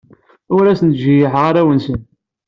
Ur asen-ttjeyyiḥeɣ arraw-nsen.